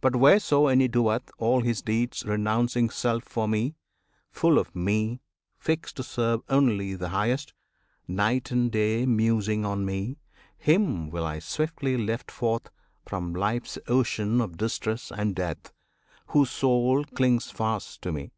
But whereso any doeth all his deeds Renouncing self for Me, full of Me, fixed To serve only the Highest, night and day Musing on Me him will I swiftly lift Forth from life's ocean of distress and death, Whose soul clings fast to Me.